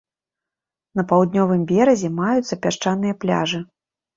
На паўднёвым беразе маюцца пясчаныя пляжы.